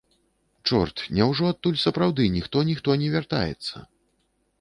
Чорт, няўжо адтуль сапраўды ніхто-ніхто не вяртаецца?